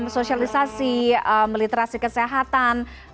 sosialisasi meliterasi kesehatan